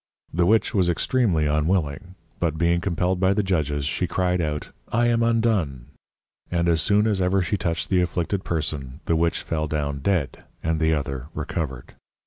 The Witch was extreamly unwilling, but being Compelled by the Judges, she cryed out, I am undone; and as soon as ever she touched the Afflicted person, the Witch fell down dead, and the other recovered.